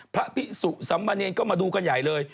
พระพิสุสำบัญญันตร์ก็กำมาดูกันใหญ่เลย